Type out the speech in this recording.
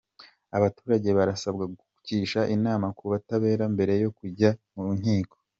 Abaturage barasabwa kugisha inama ku butabera mbere yo kujya mu nkiko